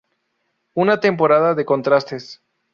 Una temporada de contrastes.